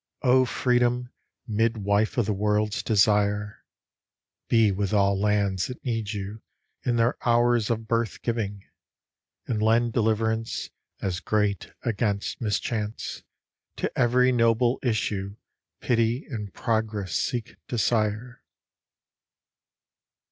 — O Freedom, midwife of the world's desire, Be with all lands that need you, in their hours of birth giving : And lend deliverance, As great against mischance. To every noble issue Pity and Progress seek to sire.